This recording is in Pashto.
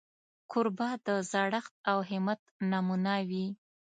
کوربه د زړښت او همت نمونه وي.